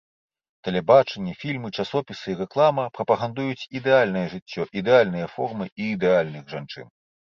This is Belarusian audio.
Тэлебачанне, фільмы, часопісы і рэклама прапагандуюць ідэальнае жыццё, ідэальныя формы і ідэальных жанчын.